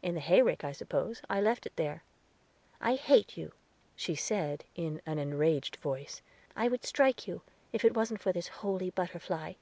"In the hayrick, I suppose, I left it there." "I hate you," she said, in an enraged voice. "I would strike you, if it wasn't for this holy butterfly."